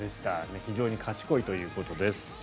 非常に賢いということです。